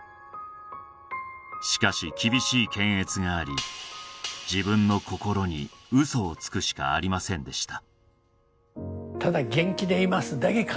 しかし厳しい検閲があり自分の心に嘘をつくしかありませんでした